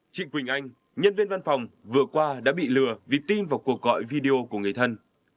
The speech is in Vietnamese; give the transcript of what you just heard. chị quỳnh anh nhân viên văn phòng vừa qua đã bị lừa vì tin vào cuộc gọi video của người thân